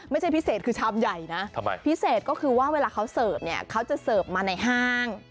ไม่ใช่พิเศษคือชามใหญ่นะพิเศษก็คือว่าเวลาเขาเสิร์ฟเนี่ยเขาจะเสิร์ฟมาในห้าง